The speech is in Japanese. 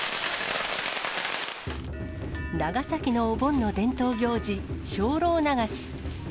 長崎のお盆の伝統行事、精霊流し。